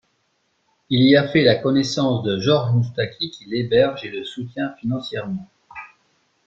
Il y fait la connaissance de Georges Moustaki, qui l'héberge et le soutient financièrement.